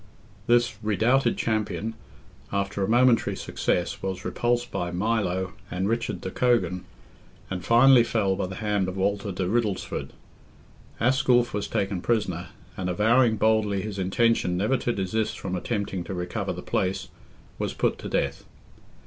This redoubted champion, after a momentary success, was repulsed by Milo and Richard de Cogan, and finally fell by the hand of Walter de Riddlesford. Asculph was taken prisoner, and, avowing boldly his intention never to desist from attempting to recover the place, was put to death.